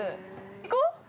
◆行こう。